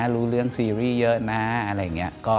รู้เรื่องซีรีส์เยอะนะอะไรอย่างนี้